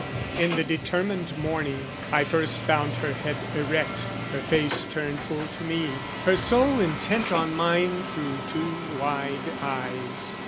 In the determined morning, I first found Her head erect, her face turned full to me, Her soul intent on mine through two wide eyes.